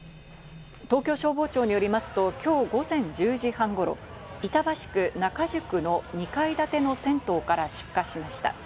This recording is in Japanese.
東京消防庁によりますと今日午前１０時半ごろ、板橋区仲宿の２階建ての銭湯から出火しました。